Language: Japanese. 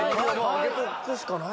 挙げとくしかない。